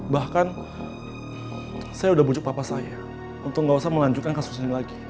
bahkan saya sudah bujuk papa saya untuk gak usah melanjutkan kasus ini lagi